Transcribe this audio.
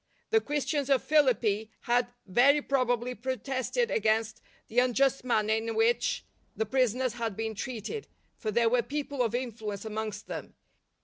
The Christ ians of Philippi had very probably protested against the unjust manner in which the prisoners had been treated, for there were people of influence amongst them.